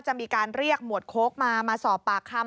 จะมีการเรียกหมวดโค้กมามาสอบปากคำ